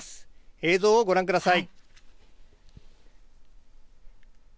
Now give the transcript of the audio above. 映像をご覧ください。